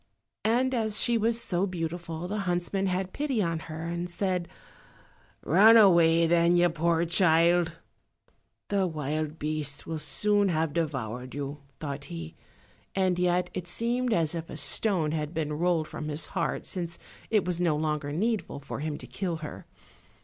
And as she was so beautiful the huntsman had pity on her and said, "Run away, then, you poor child." "The wild beasts will soon have devoured you," thought he, and yet it seemed as if a stone had been rolled from his heart since it was no longer needful for him to kill her.